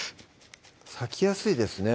割きやすいですね